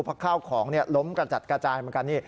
เพราะข้าวของล้มกระจัดกระจายเหมือนกันนี่